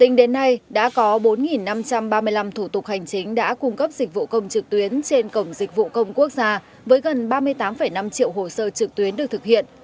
tính đến nay đã có bốn năm trăm ba mươi năm thủ tục hành chính đã cung cấp dịch vụ công trực tuyến trên cổng dịch vụ công quốc gia với gần ba mươi tám năm triệu hồ sơ trực tuyến được thực hiện